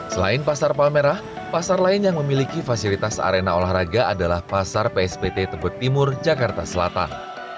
selain pasar palmerah pasar lain yang memiliki fasilitas arena olahraga adalah pasar pspt tebet timur jakarta selatan